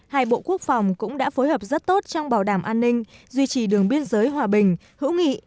hai bộ quốc phòng cũng đã phối hợp rất tốt trong bảo đảm an ninh duy trì đường biên giới hòa bình hữu nghị